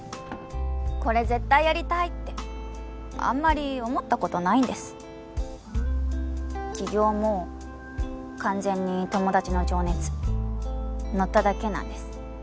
これ絶対やりたいってあんまり思ったことないんです起業も完全に友達の情熱乗っただけなんです